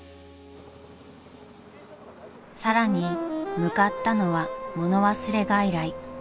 ［さらに向かったのは物忘れ外来］